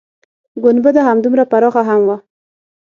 گنبده همدومره پراخه هم وه.